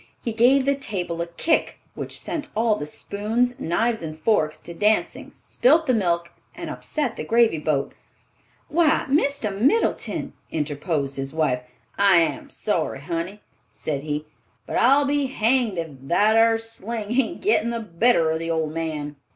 He gave the table a kick which set all the spoons, knives and forks to dancing, spilt the milk and upset the gravy pot. "Why, Mr. Middleton!" interposed his wife. "I am sorry, honey," said he, "but I'll be hanged if that ar sling ain't gettin' the better of the old man."